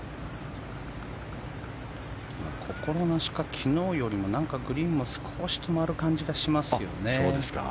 心なしか昨日よりも何かグリーンも少し止まる感じがしますよね。